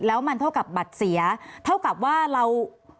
แล้วมันเท่ากับบัตรเสียเท่ากับว่าเรา